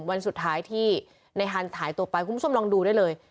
วันสุดท้ายที่ในฮันหายตัวไปคุณผู้ชมลองดูได้เลย